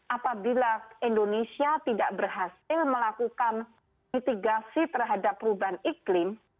apabila indonesia tidak berhasil melakukan mitigasi terhadap perubahan iklim